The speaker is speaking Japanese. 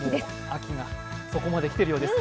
秋がそこまで来ているようです。